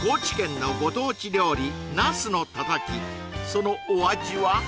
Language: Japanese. そのお味は？